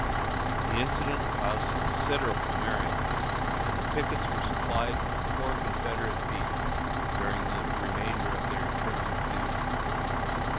The incident caused considerable merriment, and the pickets were supplied with poor Confederate beef during the remainder of their term of duty.